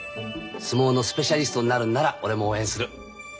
相撲のスペシャリストになるんなら俺も応援する。